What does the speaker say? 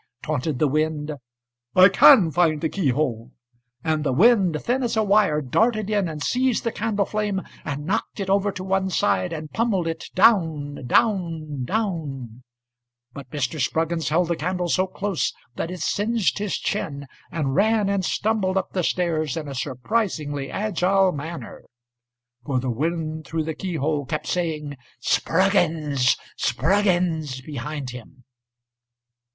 âTaunted the wind.âI can find the keyhole.âAnd the wind, thin as a wire, Darted in and seized the candle flameAnd knocked it over to one sideAnd pummelled it down â down â down â!But Mr. Spruggins held the candle so close that it singed his chin, And ran and stumbled up the stairs in a surprisingly agile manner, For the wind through the keyhole kept saying, âSpruggins! Spruggins!âbehind him.